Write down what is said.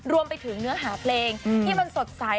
รวมไปถึงเนื้อหาเพลงที่มันสดใส